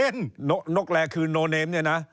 นกแลคือโนเนมเนี่ยนะ